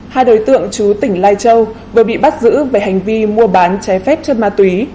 hai đối tượng chú tỉnh lai châu vừa bị bắt giữ về hành vi mua bán trái phép chất ma túy